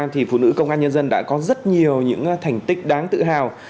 thì phụ nữ công an nhân dân đã có rất nhiều những thành tích đáng tự hào